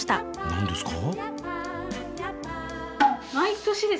何ですか？